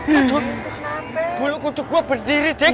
aduh bulu kucuk gua berdiri dik